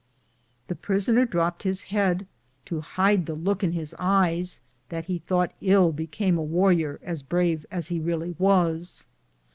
The prisoner dropped his head to hide the look in his eyes that he thought ill became a warrior as brave as he really was.